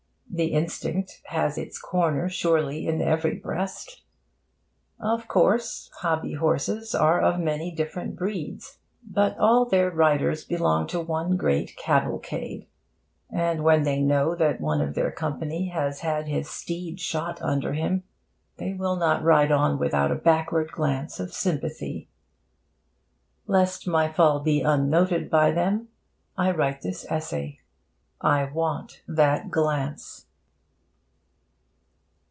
The instinct has its corner, surely, in every breast. Of course, hobby horses are of many different breeds; but all their riders belong to one great cavalcade, and when they know that one of their company has had his steed shot under him, they will not ride on without a backward glance of sympathy. Lest my fall be unnoted by them, I write this essay. I want that glance.